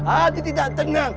adi tidak tenang